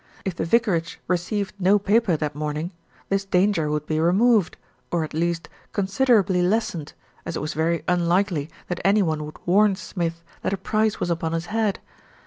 If the vicarage received no paper that morning, this danger would be removed, or at least considerably lessened, as it was very unlikely that any one would warn Smith that a price was upon his head.